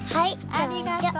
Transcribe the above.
ありがとう。